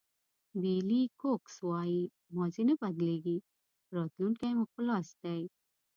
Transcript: بېلي کوکس وایي ماضي نه بدلېږي راتلونکی مو په لاس دی.